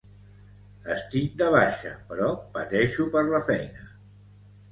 Estic de baixa però pateixo per la feina